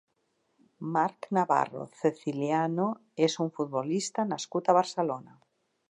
Marc Navarro Ceciliano és un futbolista nascut a Barcelona.